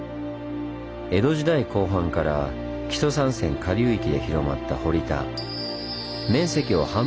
江戸時代後半から木曽三川下流域で広まった堀田。